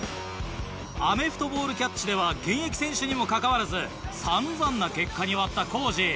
アメフトボールキャッチでは現役選手にもかかわらず散々な結果に終わったコージ。